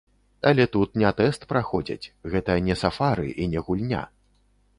Але тут не тэст праходзяць, гэта не сафары і не гульня.